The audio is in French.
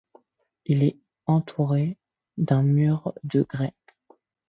Il est entouré d’un mur de grès.